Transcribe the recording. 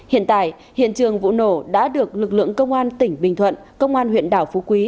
hiện tại hiện trường vụ nổ đã được lực lượng công an tỉnh bình thuận công an huyện đảo phú quý